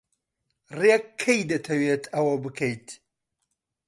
ڕێک کەی دەتەوێت ئەوە بکەیت؟